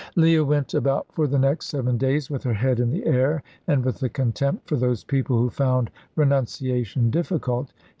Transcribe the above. Leah went about for the next seven days with her head in the air, and with a contempt for those people who found renunciation difficult.